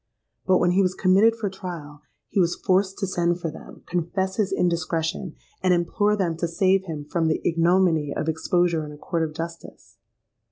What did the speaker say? But when he was committed for trial, he was forced to send for them, confess his indiscretion, and implore them to save him from the ignominy of exposure in a court of justice.